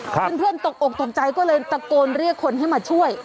เพื่อนตกอกตกใจก็เลยตะโกนเรียกคนให้มาช่วย